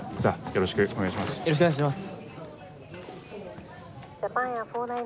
よろしくお願いします！